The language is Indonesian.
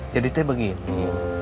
jadi teh begini